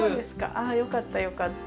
あよかったよかった。